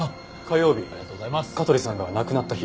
香取さんが亡くなった日。